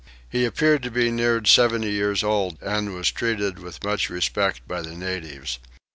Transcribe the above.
He appeared to be near 70 years old and was treated with much respect by the natives.